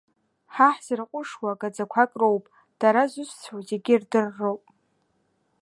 Ҳа ҳзырҟәышуа гаӡақәак роуп, дара зусҭцәоу зегьы ирдырроуп.